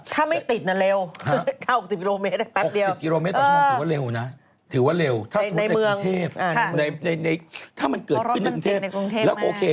ถ้าไม่ติดน่ะเร็ว๙๖๐กิโลเมตรแป๊บเดียว๑๐กิโลเมตรต่อชั่วโมงถือว่าเร็วนะถือว่าเร็วถ้าสมมุติในกรุงเทพถ้ามันเกิดขึ้นในกรุงเทพแล้วโอเค